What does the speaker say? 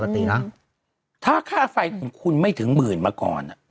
ปกตินะถ้าค่าไฟของคุณไม่ถึงหมื่นมาก่อน